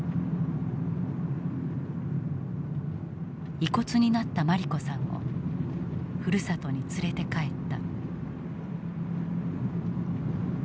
遺骨になった茉莉子さんをふるさとに連れて帰った。